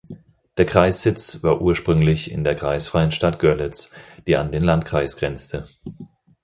Der Kreissitz war ursprünglich in der kreisfreien Stadt Görlitz, die an den Landkreis grenzte.